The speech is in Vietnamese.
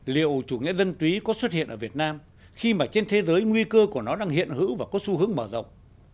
liệu chủ nghĩa dân túy có xuất hiện ở việt nam khi mà trên thế giới nguy cơ của nó đang hiện hữu và có xu hướng mở rộng